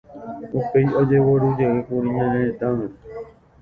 Upéi ojeguerujeýkuri ñane retãme.